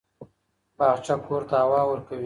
باغچه کور ته هوا ورکوي.